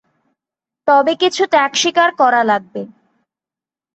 তবে কিছু ত্যাগস্বীকার করা লাগবে।